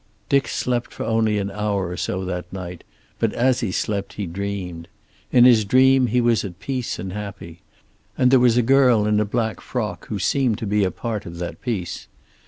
Dick slept for only an hour or so that night, but as he slept he dreamed. In his dream he was at peace and happy, and there was a girl in a black frock who seemed to be a part of that peace.